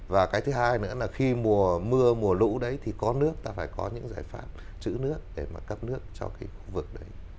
và cái thứ hai nữa là khi mùa mưa mùa lũ đấy thì có nước ta phải có những giải pháp chữ nước để mà cấp nước cho cái khu vực đấy